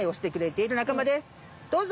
どうぞ！